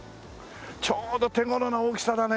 ちょうど手頃な大きさだね。